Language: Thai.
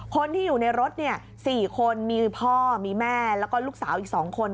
คนที่อยู่ในรถ๔คนมีพ่อมีแม่แล้วก็ลูกสาวอีก๒คน